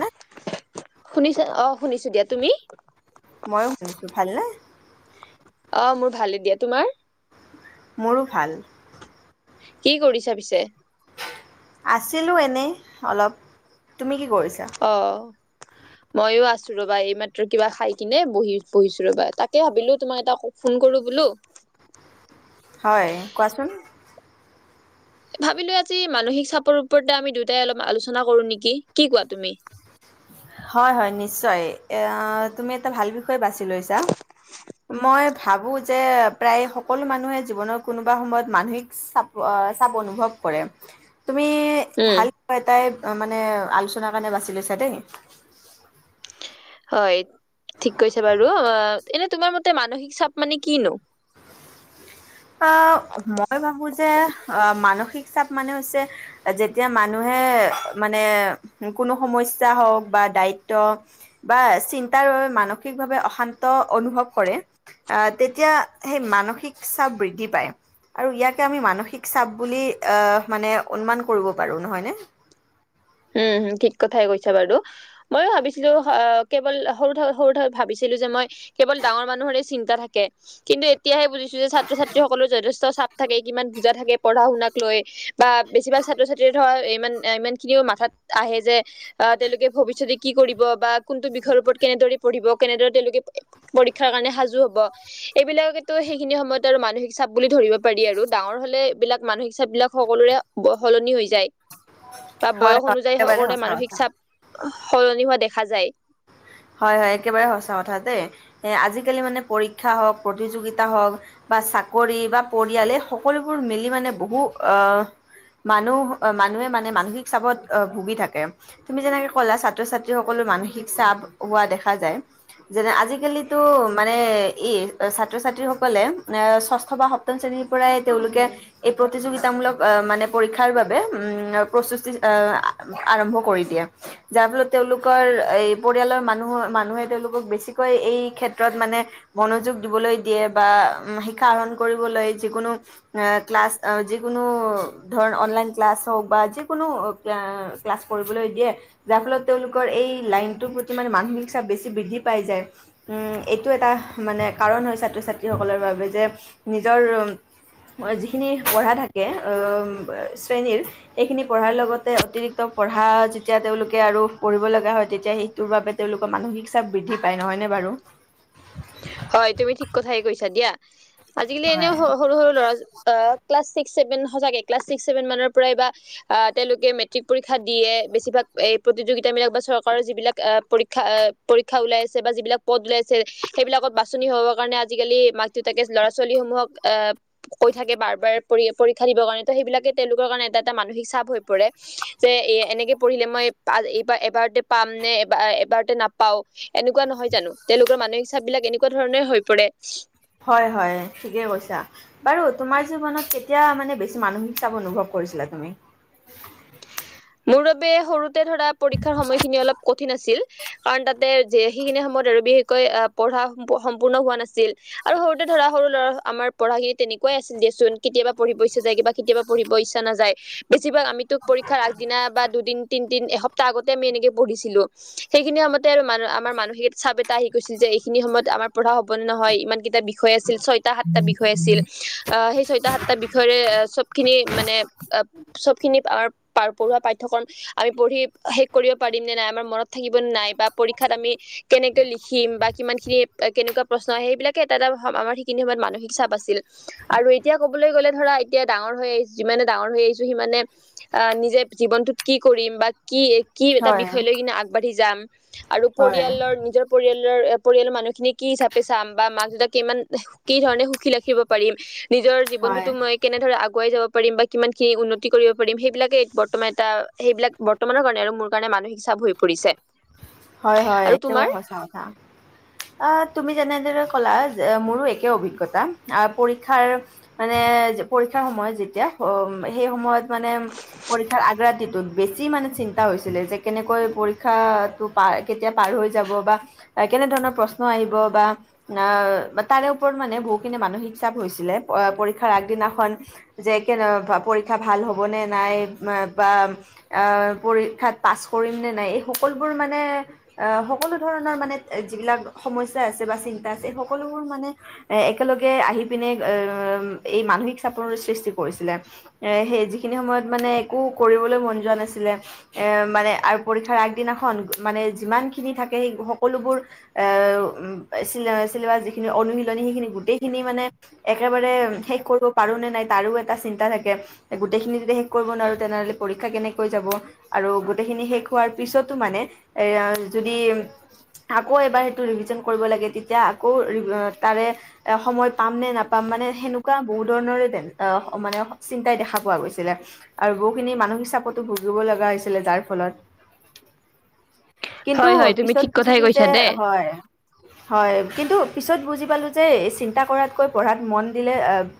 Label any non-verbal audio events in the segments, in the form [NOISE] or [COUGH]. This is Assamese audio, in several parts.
নে শুনিছে অ শুনিছো দিয়া তুমি ময়ো শুনিছো ভালনে অ মোৰ ভালে দিয়া তোমাৰ মোৰো ভাল কি কৰিছা পিছে আছিলো এনে অলপ তুমি কি কৰিছ অ ময়ো আছো ৰবা এইমাত্ৰ কিবা খাই কিনে বহি বহিছো ৰবা তাকে ভাবিলো তুমি এটা ফোন কৰো বোলো হয় কোৱাচোন ভাবিলো আজি মানসিক চাপৰ ওপৰতে আমি দুয়টাই অলপ আলোচনা কৰো নেকি কি কোৱা তুমি হয় হয় নিশ্চয় এ তুমি এটা ভাল বিষয়ে বাছি লৈছা মই ভাবো যে প্ৰায় সকলো মানুহে জীৱনৰ কোনোবা সময়ত মানসিক চাপ চাপ অনুভৱ কৰে তুমি উম ভাল পোৱা এটাই মানে আলোচনাৰ কাৰণে বাছি লৈছা দেই হয় ঠিক কৈছে বাৰু অ এনে তোমাৰ মতে মানসিক চাপ মানে কিনো আহ মই ভাবো যে আহ মানসিক চাপ মানে হৈছে যেতিয়া মানুহে মানে কোনো সমস্যা হওক বা দায়িত্ব বা চিন্তাৰ বাবে মানসিকভাৱে অশান্ত অনুভৱ কৰে আহ তেতিয়া সেই মানসিক চাপ আৰু ইয়াকে আমি মানসিক চাপ বুলি আহ মানে অনুমান কৰিব পাৰো নহয় নে উঠাই গৈছা বাৰু মইয়ো ভাবিছিলো কেৱল সৰু সৰু ভাবিছিলো যে মই কেৱল ডাঙৰ মানুহৰেই চিন্তা থাকে কিন্তু এতিয়া বুজিছো যে ছাত্ৰ ছাত্ৰী সকললে যথেষ্ট থাকে কিমান বুজা থাকে, পঢ়া শুনাক লৈ, বা বেছিভাগ ছাত্ৰ ছাত্ৰীয়ে ধৰা ইমান ইমান খিনিও মাথাত আহে যে আহ তেওঁলোকে ভৱিষ্যতে কি কৰিব বা কোনটো বিষয়ৰ ওপৰত কেনেদৰে পঢ়িব কেনেদৰে তেওঁলোকে পৰীক্ষাৰ কাৰণে সাজু হব, এইবিলাকেতো সেইখিনি সময়ত আৰু মানসিক চাপ বুলি ধৰিব পাৰি আৰু ডাঙৰ হলে এইবিলাক মানসিক চাপ বিলাক সকলোৰে সলনি হৈ যায়। বা হয় বয়স হয় অনুযায়ী একেবাৰে সকলোৰে সঁচা মানসিক কথা চাপ সলনি হোৱা দেখা যায়। হয় হয় একেবাৰে সঁচা কথা দেই, এ আজিকালি মানে পৰীক্ষা হওক, প্ৰতিযোগিতা হওক বা চাকৰি বা পৰিয়ালে সকলোবোৰ মিলি মানে বহু আহ, মানুহ মানুহে মানে মানসিক চাপত ভুগি থাকে তুমি যেনেকে ক'লা ছাত্ৰ ছাত্ৰী সকলো মানসিক চাপ হোৱা দেখা যায়। যেনে আজিকালিতো মানে ই ছাত্ৰ ছাত্ৰীসকলে, এ ষষ্ঠ বা সপ্তম শ্ৰেণীৰ পৰাই তেওঁলোকে এই প্ৰতিযোগিতামূলক আহ মানে পৰীক্ষাৰ বাবে উম প্ৰস্তুতি আহ আৰম্ভ কৰি দিয়ে, যাৰ ফলত তেওঁলোকৰ এই মানুহৰ-মানুহে তেওঁলোকক বেছিকৈ এই ক্ষেত্ৰত মানে মনোযোগ দিবলৈ দিয়ে বা শিক্ষা আহৰণ কৰিবলৈ যিকোনো ক্লাছ যিকোনো, ধৰ অনলাইন ক্লাছ হওক বা যিকোনো ক্লাছ পঢ়িবলৈ দিয়ে, যাৰ ফলত তেওঁলোকৰ এই টো প্রতি মানে মানসিক চাপ বেছি বৃদ্ধি পাই যায়, উম এইটো এটা মানে কাৰণ হয় ছাত্ৰ ছাত্ৰীসকলৰ বাবে যে নিজৰ যিখিনি পঢ়া থাকে অ শ্ৰেণীৰ এইখিনি পঢ়াৰ লগতে অতিৰিক্ত পঢ়া যেতিয়া তেওঁলোকে আৰু পঢ়িব লগা হয় তেতিয়া সি তোৰ বাবে তেওঁলোকৰ মানসিক চাপ বৃদ্ধি পায় নহয়নে বাৰু? হয় তুমি ঠিক কথাই কৈছা দিয়া। আজিকালি এনে হয় সৰু-সৰু ল'ৰা অ ক্লাছ ছিক্স, ছেভেন, সঁচাকে ক্লাছ ছিক্স, ছেভেনমানৰ পৰাই বা, আ তেঁওলোকে মেট্ৰিক পৰীক্ষা দিয়ে বেছিভাগ এই প্ৰতিযগিতাবিলাক বা চৰকাৰৰ যিবিলাক আ পৰীক্ষা আ পৰীক্ষা ওলাই আছে বা যিবিলাক পদ ওলাই আছে সেইবিলাকত বাছনি হবৰ কাৰণে আজিকালি মাক দেউতাকে ল'ৰা ছোৱালীসমূহক আহ, কৈ থাকে বাৰ-বাৰ প পৰীক্ষা দিবৰ কাৰণে ত সেইবিলাকে তেওঁলোকৰ কাৰণে এটা এটা মানসিক চাপ হৈ পৰে, যে এ এনেকে পঢ়িলে মই এইবাৰ এবাৰতে পাম নে এব এবাৰতে নাপাও এনেকুৱা নহয় জানো? তেওঁলোকৰ মানসিক কাবিলাক এনেকুৱা ধৰণৰে হৈ পৰে। হয়-হয় ঠিকে কৈছা। বাৰু তোমাৰ জীৱনত কেতিয়া মানে বেছি মানসিক চাপ অনুভৱ কৰিছিলা তুমি? মুৰবে সৰুত তে ধৰা পৰীক্ষাৰ সময়খিনি অলপ কঠিন আছিল, কাৰণ তাতে যে সেইখিনি সময়ত আৰু বিশেষকৈ আহ পঢ়া সম্পূৰ্ণ হোৱা নাছিল আৰু সৰুতে ধৰা সৰু ল'ৰা আমাৰ পঢ়াখিনি তেনেকুৱাই আছিল দিয়চোন কেতিয়াবা পঢ়িব ইচ্ছা যায় বা কেতিয়াবা পঢ়িব ইচ্ছা নাযায়, বে চি ভাগ, আমি ত পৰীক্ষাৰ আ বা দুদিন তিন তিন- তিন এসপ্তাহ আগতে আমি এনেকে পঢ়িছিলো। সেইখিনি সময়তে আৰু আমাৰ মানসিক চাপ এটা আহি গৈছিল যে এইখিনি সমত আমাৰ পঢ়া হ'ব নহয়। ইমান কিতাপ বিষয় আছিল। ছয়টা, সাতটা বিষয় আছিল আহ সেই ছয়টা সাতটা বিষয়ৰে চব খিনি মানে চব খিনি পাৰ পঢ়োৱা পাঠ্যক্ৰম আমি পঢ়ি শেষ কৰিব পাৰিম নে নাই আমাৰ মনত থাকিব নে নাই বা পৰীক্ষাত আমি কেনেকে লিখিম বা কিমান খিনি কেনেকুৱা প্ৰশ্ন আহ সেইবিলাকে এটা এটা আমাৰ সেইখিনি সময়ত মানসিক চাপ আছিল। আৰু এতিয়া কবলৈ গলে ধৰা এতিয়া ডাঙৰ হৈ আহিছ যিমানে ডাঙৰ হৈ আহিছো সিমানে আহ নিজে জীৱনটোত কি কৰিম বা কি-কি এটা হয়, বিষয় লৈ কিনে আগবাঢ়ি যাম- আৰু হয়, পৰিয়ালৰ নিজৰ পৰিয়াল জৰ পৰিয়ালৰ মানুহ খিনি কি হিচাপে চাম বা মাক দেউতাক কিমান কি ধৰণে সুখী ৰাখিব পাৰিম। নিজৰ হয়, জীৱনত মই কেনে ধৰে আগ আগুৱাই যাব পাৰিম বা কিমান খিনি উন্নতি কৰিব পাৰিম সেইবিলাক কেই বৰ্তমান এটা সেইবিলাক বৰ্তমানৰ কাৰণে আৰু মোৰ কাৰণে মানসিক চাপ হৈ পৰিছে। হয়-হয় আৰু একেবাৰে তোমাৰ সচা কথা। অহ তুমি যেনে দৰে কলা মোৰো একে অভিজ্ঞতা আহ পৰীক্ষাৰ মানে পৰীক্ষাৰ সময়ত যেতিয়া সেই সময়ত মানে পৰীক্ষাৰ আগ্ৰ দিটোত বেছি মানে চিন্তা হৈছিলে যে কেনেকৈ পৰীক্ষা কেতিয়া পাৰ হৈ যাব বা কেনে ধৰণৰ প্ৰ্ন আহিব বা আহ তাৰে ওপৰত মানে বহুখিনি মানসিক চাপ হৈছিলে। পৰীক্ষাৰ আগদিনাখন যে কেনে পৰীক্ষা ভাল হ'ব নে নাই বা পৰীক্ষাত পাছ কৰিম নে নাই এই সকলো মানে সকলো ধৰণৰ মানে যিবিলাক সমস্যা আছে বা চিন্তা আছে সেই সকলোবোৰ মানে এক একেলগে আহি পিনে এম এই মানসিক চাপনৰ সৃষ্টি কৰিছিলে এ সেই যিখিনি সময়ত মানে একো কৰিবলৈ মন যোৱা নাছিলে, এ মানে আৰু পৰীক্ষাৰ আগ দিনাখন মানে যিমান খিনি থাকে সেই সকলোবোৰ এ উম চিনেমা চিনেমা যিখিনি অনুশীলনী সেইখিনি গোটেইখিনি মানে একেবাৰে শেষ কৰিব পাৰো নে নাই তাৰো এটা চিন্তা থাকে। গোটেইখিনি যদি শেষ কৰিব নোৱাৰোঁ তেনেহ'লে পৰীক্ষা কেনেকৈ যাব। আৰু গোটেইখিনি শেষ হোৱাৰ পিছতো মানে এ যদি আকৌ এবাৰ সেইটো ৰিভিজন কৰিব লাগে তেতিয়া আকৌ তাৰে এ সময় পাম নে নাপাম, মানে সেনেকুৱা বহুত ধৰণৰে মানে চিন্তাই দেখা পোৱা গৈছিলে আৰু বহুখিনি মানসিক চাপতো ভুগিব লগা হৈছিলে যাৰ ফলত কিন্তু হয় হয় তুমি পিছত ঠিক কথাই বুজিলো যে কৈছা দেই হয় হয় কিন্তু পিছত বুজি পালোঁ যে চিন্তা কৰাতকৈ পঢ়াত মন দিলে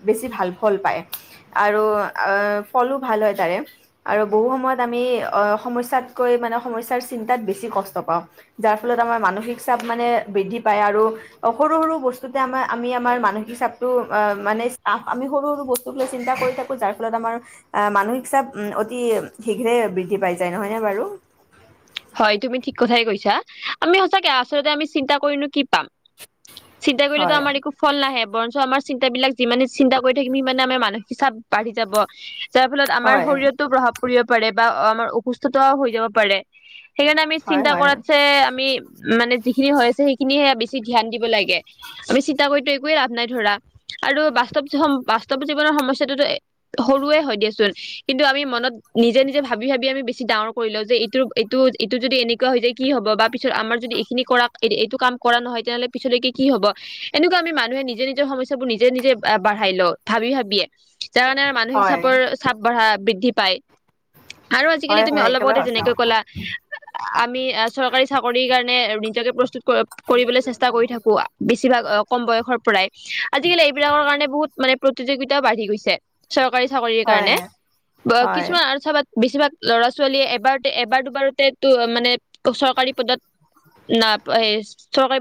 বেছি ভাল ফল পায়। আৰু ফলো ভাল হয় তাৰে, আৰু বহু সময়ত আমি সমস্যাত কৈ মানে সমস্যাৰ চিন্তাত বেছি কষ্ট পাওঁ। যাৰ ফলত আমাৰ মানসিক চাপ মানে বৃদ্ধি পায় আৰু সৰু সৰু বস্তুতে আমাৰ আমি আমাৰ মানসিক চাপটো মানে চ আমি সৰু সৰু বস্তুক লৈ চিন্তা কৰি থাকো যাৰ ফলত আমাৰ আহ মানসিক চাপ উম অতি শীঘ্ৰে বৃদ্ধি পাই যায় নহয়নে বাৰু। [UNINTELLIGIBLE] হয় তুমি ঠিক কথাই কৈছা আমি সচাকে আচলতে আমি চিন্তা কৰিনো কি পাম। চিন্তা কৰিলেতো হয় আমাৰ একো ফল নাহে। বৰঞ্চ আমাৰ চিন্তাবিলাক যিমানে চিন্তা কৰি থাকিম সিমানে আমাৰ মানসিক চাপ বাঢ়ি যাব। যাৰ ফলত আমাৰ হয় শৰীৰতটো প্ৰভাৱ ফুৰিব পাৰে বা আমাৰ অসুস্থতাও হৈ যাব পাৰে। সেইকাৰণে আমি হয় চিন্তা হয় কৰাতছে আমি। মানে যিখিনি হৈ আছে সেইখিনিহে বেছি ধ্যান দিব লাগে। আমি চিন্তা কৰিতো একোৱে লাভ নাই ধৰা। আৰু বাস্তৱ বাস্তৱ জীৱনৰ সমস্যাটোত সৰুৱে হয় দিয়াচোন। কিন্তু আমি মনত নিজে নিজে ভাবি ভাবি আমি বেছি ডাঙৰ কৰি লও যে এইটোৰ এইটো এইটো যদি এনেকুৱা হৈ য যে কি হব, বা পিছত আমাৰ যদি এইখিনি কৰা এইটো কাম কৰা নহয় তেনেহলে পিছলৈকে কি হব, এনেকুৱা আমি মানুহে নিজে নিজৰ সমস্যাবোৰ নিজে নিজে বাঢ়াই লৱ ভাবি ভাবিয়ে। যাৰ কাৰণে আৰু মানসিক হয় চাপৰ চাপ বাঢ়া বৃদ্ধি পায়। আৰু আজিকালি হয় তুমি হয় একেবাৰে অলপতে সঁচা যেনেকে কথা কলা আমি চৰকাৰী চাকৰিৰ কাৰণে নিজকে প্ৰস্তুত কৰিবলৈ চেষ্টা কৰি থাকো বেছিভাগ কম বয়সৰ প্ৰায় আজিকালি এইবিলাকৰ কাৰণে বহুত। মানে প্ৰতিযোগিতাও বাঢ়ি গৈছে। চৰকাৰী চাকৰিৰ হয় কাৰণে বা হয় কিছুমান আৰু চাবা বেছিভাগ ল'ৰা ছোৱালীয়ে এবাৰটে এবাটো। এবাৰটে মানে চৰকাৰ পদত ন চৰকাৰ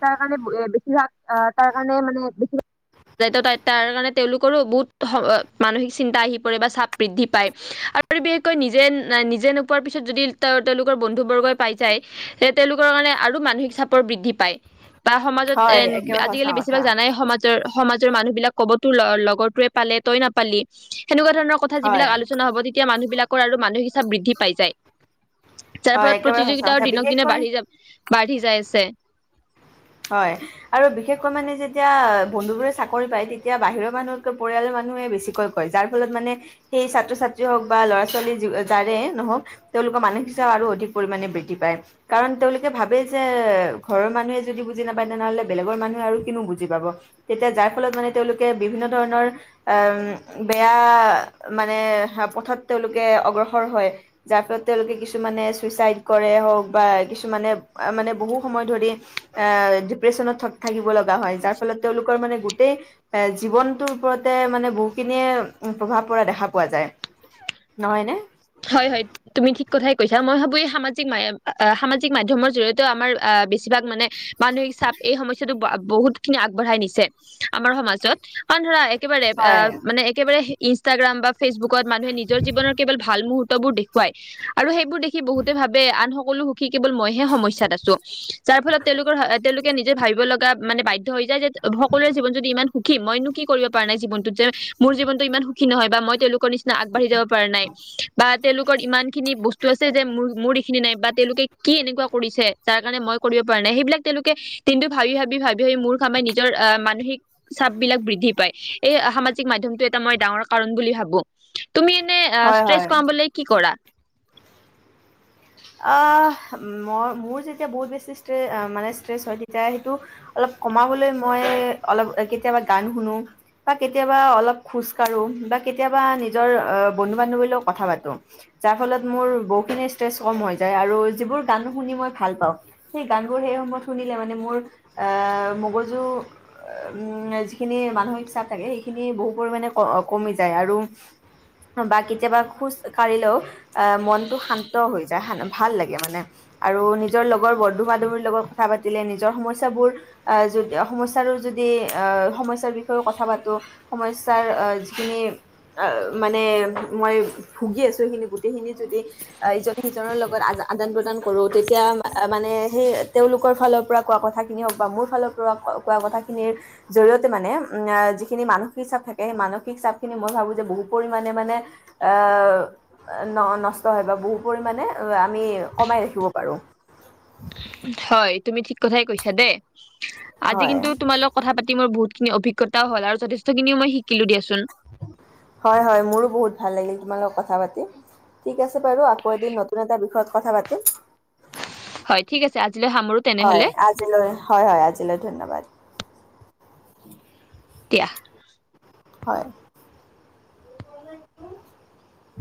তাৰ কাৰণে বেছিভাগ তাৰ কাৰণে মানে বিছিভা। য ই ত তাৰ কাৰণে তেওঁলোক। সৰু বহুত মানসিক চিন্তা আহি পৰে বা চাপ বৃদ্ধি পায়। আৰু বিশেষকৈ নিজে না নিজে । যে নোপোৱাৰ পিছত যদি তেওঁলোকৰ বন্ধু বৰ্গই পাই যায়, যে তেওঁলোকৰ কাৰণে আৰু মানসিক চাপৰ বৃদ্ধি পায়। বা সমাজত এ হয় একেবাৰে সঁচা আজিকালি কথা বেছিভাগ জানাই সমাজৰ। সমাজৰ মানুহ বিলাক ক'ব, তোৰ ল-লগৰটোৱে পালে তই নাপালি সেনেকুৱা ধৰণৰ কথা হয় যিবিলাক আলোচনা হ'ব তিতিয়া মানুহবিলাকৰ আৰু মানু বৃদ্ধি পাই যায়। যাৰ হয় ফলত একেবাৰে সঁচা প্ৰতিযোগিতাও কথা দিনক দিনে বিশেষকৈ বাঢ়ি যা বাঢ়ি যাই আছে। হয় আৰু বিশেষকৈ মানে যেতিয়া বন্ধুবোৰে চাকৰি পায় তেতিয়া বাহিৰৰ মানুহকৈ পৰিয়ালৰ মানুহে বেছিকৈ কয়। যাৰ ফলত মানে সেই ছাত্ৰ-ছাত্ৰী হওক বা ল'ৰা ছোৱালী যি যাৰে নহওক তেওঁলোকৰ মানসিকতা আৰু অধিক পৰিমামানে বৃদ্ধি পায়, কাৰণ তেওঁলোকে ভাবে যে ঘৰৰ মানুহে যদি বুজি নাপায় তেনেহলে বেলেগৰ মানুহে আৰু কিনো বুজি পাব, তেতিয়া যাৰ ফলত মানে তেওঁলোকে বিভিন্ন ধৰণৰ আম বেয়া মানে পথত তেওঁলোকে অগ্ৰসৰ হয়। যাৰ ফলত তেওঁলোকে কিছুমানে চুইচাইড কৰে হওক, বা কিছুমানে মানে বহু সময় ধৰি আ ডিপ্ৰেশচনত থ-থাকিব লগা হয়, যাৰ ফলত তেওঁলোকৰ মানে গোটেই এ জীৱনটোৰ ওপৰতে মানে বহুখিনিয়ে প্ৰভাৱ পৰা দেখা পোৱা যায়। নহয়নে? হয় হয়, তুমি ঠিক কথাই কৈছা। মই ভাবো এই সামাজিক মা এ, সামাজিক মাধ্যমৰ জৰিয়তেও আমাৰ আহ বেছিভাগ মানে মানসিক চাপ এই সমস্যাটো বহুত খিনি আগবঢ়াই নিছে আমাৰ সমাজত, কাৰণ ধৰা একেবাৰে এ হয় মানে একেবাৰে সে ইনষ্টাগ্ৰাম বা ফেচবুক কট মানুহে নিজৰ জীৱনৰ কেৱল ভাল মুহুৰ্তবোৰ দেখুৱাই আৰু সেই বোৰ দেখি বহুতে ভাবে আন সক বলো সু কি কেৱল মইহে সমস্যাত আছো, যাৰ ফলত তেওঁলোকৰ হা তেওঁলোক নিজে ভাবিব লগা মানে বাধ্য হৈ যায় যে সকলোৰে জীৱন যদি ইমান সুখী, মইনো কি কৰিব পাৰা নাই জীৱনটোত যে মোৰ জীৱনটো ইমান সুখী নহয় বা মই তেওঁলোকৰ নিচ না আগবাঢ়ি যাব পাৰা নাই বা তেওঁলোকৰ ইমান খিনি বস্তু আছে যে মোৰ মোৰ ইখিনি নাই বা তেওঁলোকে কি এনেকুৱা কৰিছে যাৰ কাৰণে মই কৰিব পৰা নাই। সেইবিলাক তেওঁলোকে দিনটো ভাবি ভাবি ভাবি ভাবি, মোৰ কামে নিজৰ আহ মানসিক চাপ বিলাক বৃদ্ধি পায়। এই সামাজিক মাধ্যমটো এটা মই ডাঙৰ কাৰণ বুলি ভাবো। তুমি এনে আ হয় ষ্ট্ৰেছ হয় কমাবলে কি কৰা? আহ, মই মোৰ যেতিয়া বহুত বেছি ষ্টেছ আ মানে ষ্টেছ হৈ, তেতিয়া সেইটো অলপ কমাবলৈ মই অলপ কেতিয়াবা গান শুনো, বা কেতিয়াবা অলপ খোজ কাঢ়ো, বা কেতিয়াবা নিজৰ বন্ধু-বান্ধৱী লগ কথা পাতো, যাৰ ফলত মোৰ বহুখিনি ষ্টেছ কম হৈ যায়, আৰু যিবোৰ গান শুনি মই ভাল পাওঁ সেই গানবোৰ সেই সময়ত শুনিলে মানে মোৰ আ মগজু যিখিনি মানসিক চাপ থাকে সেইখিনি বহু পৰিমাণে কমি যায় আৰু বা কেতিয়াবা খোজ কাঢ়িলেও আ মনটো শান্ত হৈ ভাল লাগে মানে, আৰু নিজৰ লগৰ বন্ধু-বান্ধৱীৰ লগত কথা পাতিলে নিজৰ সমস্যাবোৰ আ সমস্যাৰো যদি সমস্যাৰ বিষয়েও কথা পাতোঁ সমস্যাৰ যিখিনি মানে মই ভুগি আছোঁ সেইখিনি গোটেইখিনি যদি আ সিজনৰ লগত আ-আদান প্ৰদান কৰোঁ তেতিয়া মানে সেই তেওঁলোকৰ ফালৰ পৰা কোৱা কথাখিনি হওক বা মোৰ ফালৰ পৰা কোৱা কথাখিনিৰ জৰিয়তে মানে, যিখিনি মানসিক চাপ থাকে সেই মানসিক চাপখিনি মই ভাবোঁ যে বহু পৰিমাণে মানে আ নষ্ট হয় বা বহু পৰিমাণে আ আমি কমাই ৰাখিব পাৰো। হয়। তুমি ঠিক কথাই কৈছা দেই। আজি হয় কিন্তু তোমাৰ লগত কথা পাতি মই বহুত খিনি অভিজ্ঞতাও হল আৰু যথেষ্টখিনিও মই শিকিলো দিয়াচোন। হয় হয় মোৰো বহুত ভাল লাগিল তোমাৰ লগত কথা পাতি। ঠিক আছে বাৰু আকৌ এদিন নতুন এটা বিষয়ত কথা পাতিম। হয় ঠিক আছে আজিলৈ সামৰো হয় তেনেহলে আজিলৈ, হয় হয় আজিলৈ ধন্যবাদ। [INAUDIBLE] দিয়া। হয়।